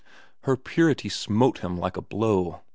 Her purity smote him like a blow.